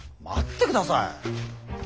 待ってください！